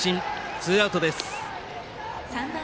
ツーアウトです。